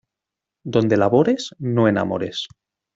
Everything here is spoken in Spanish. Donde labores no enamores.